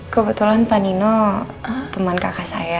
kebetulan pak nino teman kakak saya